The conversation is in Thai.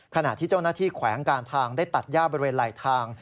ขณะที่เจ้าหน้าที่แขวงการทางได้ตัดย่าบริเวณไหลทาง